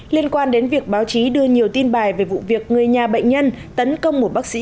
liên quan đến việc báo chí đưa nhiều tin bài về vụ việc người nhà bệnh nhân tấn công một bác sĩ